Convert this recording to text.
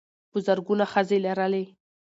په زرګونه ښځې لرلې.